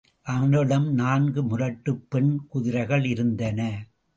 அவனிடம் நான்கு முரட்டுப் பெண் குதிரைகள் இருந்தன.